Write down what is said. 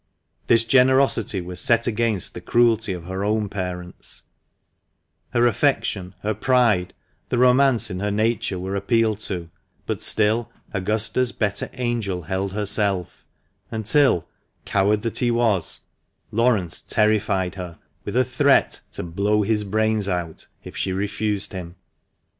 This generosity was set against the cruelty of her own parents ; her affection, her pride, the romance in her nature were appealed to, but still Augusta's better angel held her safe, until, coward that he was, Laurence terrified her with a threat to "blow his brains out" if she refused him.